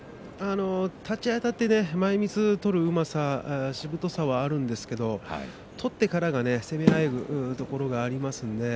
立ち合いあたって前みつを取るうまさしぶとさもあるんですが取ってからは攻めあえぐところがありますね。